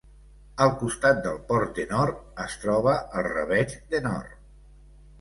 Al costat del port d'Ennore, es troba el rabeig d'Ennore.